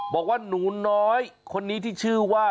บอกว่าหนูน้อยคนนี้ที่ชื่อว่า